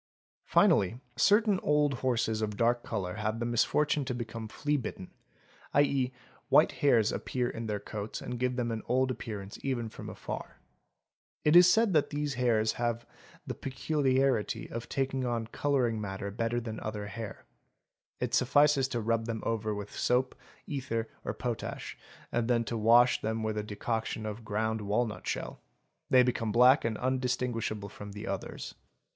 Finally certain old horses of dark colour have the misfortune to become fleabitten, ¢.c., white hairs appear in their coats and give them an old appearance even from afar. It is said that these hairs have the peculiarity of taking on colouring matter better than other hair; it suffices to rub them over with soap, ether, or potash, and then to wash them with a decoction of ground walnut shell; they become black and undistinguishable from the others.